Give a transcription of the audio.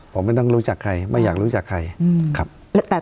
ผมไม่ต้องรู้จักใครไม่อยากรู้จักใครครับ